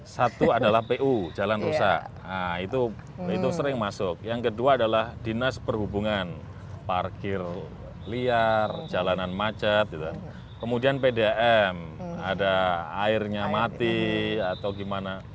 satu adalah pu jalan rusak itu sering masuk yang kedua adalah dinas perhubungan parkir liar jalanan macet kemudian pdm ada airnya mati atau gimana